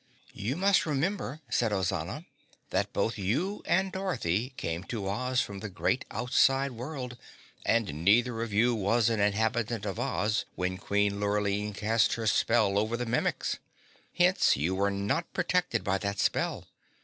"You must remember," said Ozana, "that both you and Dorothy came to Oz from the great outside world and neither of you was an inhabitant of Oz when Queen Lurline cast her spell over the Mimics. Hence you were not protected by that spell.